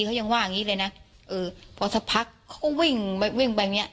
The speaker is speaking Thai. เขายังว่าอย่างงี้เลยนะเออพอสักพักเขาก็วิ่งไปวิ่งไปอย่างเงี้